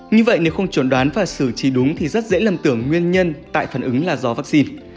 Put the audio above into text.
như vậy nếu không chuẩn đoán và xử trí đúng thì rất dễ nhầm tưởng nguyên nhân tại phản ứng là do vắc xin